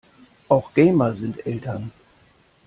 Auch Gamer sind Eltern.